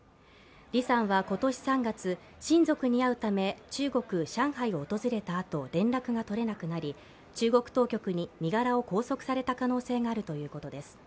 李さんは今年３月、親族に会うため、中国・上海を訪れたあと連絡が取れなくなり中国当局に身柄を拘束された可能性があるということです。